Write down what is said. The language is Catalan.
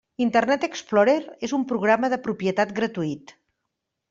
Internet Explorer és un programa de propietat gratuït.